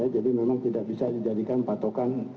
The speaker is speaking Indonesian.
jadi memang tidak bisa dijadikan patokan